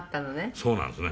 そうなんですね。